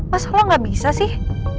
masalah gak bisa sih